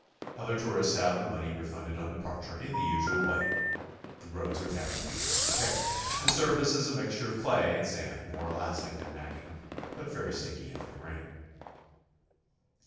Other tourists have the money refunded on departure in the usual way. The roads are kept in excellent repair. The surface is a mixture of clay and sand, more elastic than macadam, but very stkky after rain.